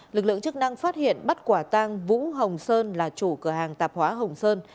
lực lượng chức năng phát hiện bắt quả tang vũ hồng sơn là chủ cửa hàng tạp hóa hồng sơn